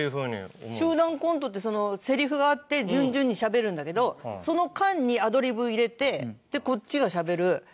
集団コントってそのセリフがあって順々にしゃべるんだけどその間にアドリブ入れてこっちがしゃべる。